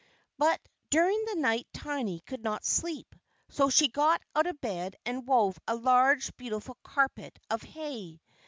But during the night Tiny could not sleep; so she got out of bed and wove a large, beautiful carpet of hay.